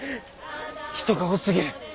人が多すぎる。